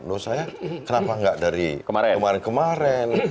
loh saya kenapa nggak dari kemarin kemarin